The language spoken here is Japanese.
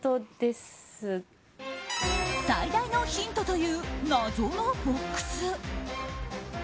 最大のヒントという謎のボックス。